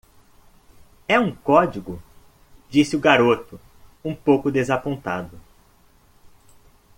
"É um código?" disse o garoto? um pouco desapontado.